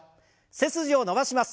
背筋を伸ばします。